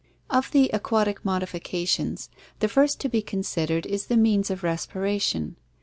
Of the aquatic modifications, the first to be considered is the means of respiration.